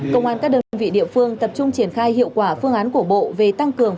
công an các đơn vị địa phương tập trung triển khai hiệu quả phương án của bộ về tăng cường